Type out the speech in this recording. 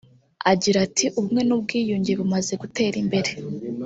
Agira ati ”Ubumwe n’ubwiyunge bumaze gutera imbere